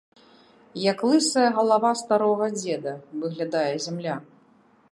Як лысая галава старога дзеда, выглядае зямля.